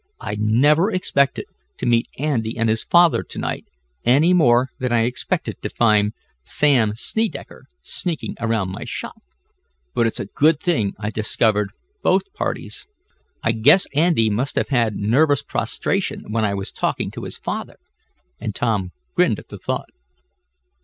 I never expected to meet Andy and his father to night, any more than I expected to find Sam Snedecker sneaking around my shop, but it's a good thing I discovered both parties. I guess Andy must have had nervous prostration when I was talking to his father," and Tom grinned at the thought.